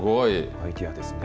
アイデアですね。